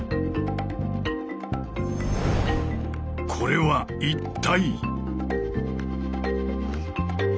これは一体？